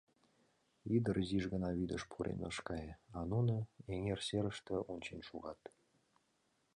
Ӱдыр изиш гына вӱдыш пурен ыш кае, а нуно... эҥер серыште ончен шогат.